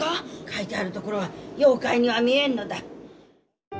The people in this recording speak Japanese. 書いてあるところは妖怪には見えんのだ。